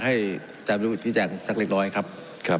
ผมจะขออนุญาตให้ท่านอาจารย์วิทยุซึ่งรู้เรื่องกฎหมายดีเป็นผู้ชี้แจงนะครับ